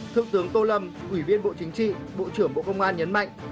thượng tướng tô lâm ủy viên bộ chính trị bộ trưởng bộ công an nhấn mạnh